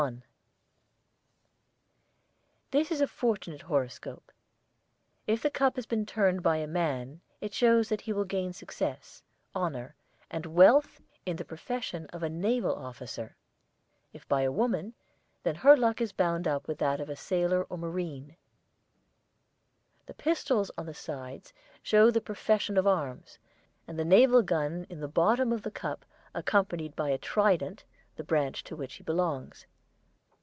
1 This is a fortunate horoscope. If cup has been turned by a man it shows that he will gain success, honour, and wealth in the profession of a naval officer. If by a woman then her luck is bound up with that of a sailor or marine. The pistols on the sides show the profession of arms, and the naval gun in the bottom of the cup accompanied by a trident the branch to which he belongs.